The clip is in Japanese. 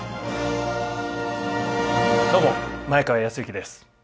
どうも前川泰之です。